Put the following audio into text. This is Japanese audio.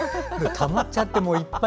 たまっちゃって。